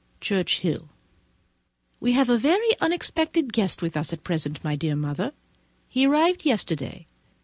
_ Churchhill We have a very unexpected guest with us at present, my dear Mother: he arrived yesterday.